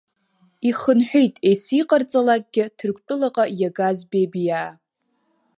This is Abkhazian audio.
Ихынҳәит есиҟарҵалакгьы Ҭырқәтәылаҟа иагаз Бебиаа.